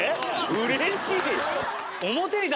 うれしい。